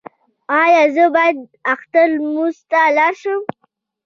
ایا زه باید اختر لمانځه ته لاړ شم؟